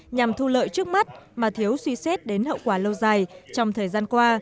nhằm thu lợi trước mắt mà thiếu suy xét đến hậu quả lâu dài trong thời gian qua